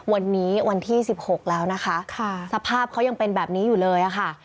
วันนี้วันที่๑๖แล้วนะคะสภาพเขายังเป็นแบบนี้อยู่เลยค่ะ